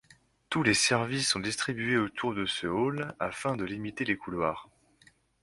Tous les services sont distribués autour de ce hall afin de limiter les couloirs.